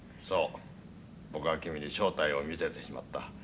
そう僕は君に正体を見せてしまった。